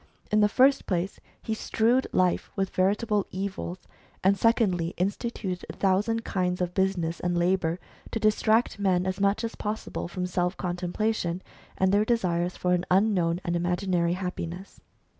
In the first place, he strewed life with veritable evils ; and secondly, instituted a thousand kinds of business and labour, to distract men as much as possible from self contemplation, and their desires for an unknown and imaginary happiness.